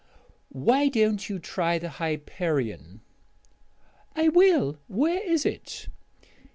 "Why don't you try the Hyperion?" "I will. Where is it?"